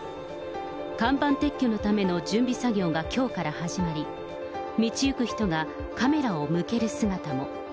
看板撤去のための準備作業がきょうから始まり、道行く人がカメラを向ける姿も。